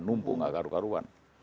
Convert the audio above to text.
numpung gak karuan karuan